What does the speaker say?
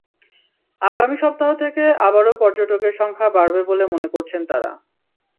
আগামী সপ্তাহ থেকে আবারও পর্যটকের সংখ্যা বাড়বে বলে মনে করছেন তাঁরা।